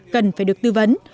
cần phải được tư vấn